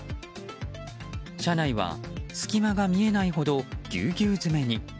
車内は隙間が見えないほどぎゅうぎゅう詰めに。